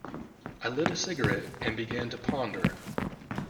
I lit a cigarette and began to ponder.